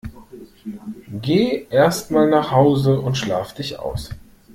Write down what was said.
Geh erst mal nach Hause und schlaf dich aus!